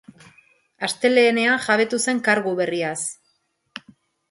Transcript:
Astelehean jabetu zen kargu berriaz.